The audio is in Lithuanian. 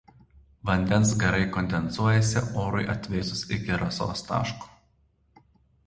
Vandens garai kondensuojasi orui atvėsus iki rasos taško.